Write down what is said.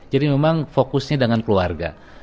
jadi memang fokusnya dengan keluarga